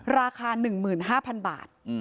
ราคา๑๕๐๐๐บาท